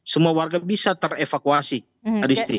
semua warga bisa terevakuasi